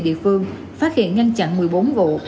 địa phương phát hiện ngăn chặn một mươi bốn vụ